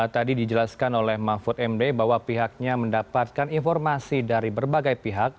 tadi dijelaskan oleh mahfud md bahwa pihaknya mendapatkan informasi dari berbagai pihak